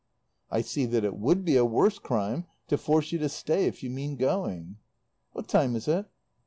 "I see that it would be a worse crime to force you to stay if you mean going. "What time is it?"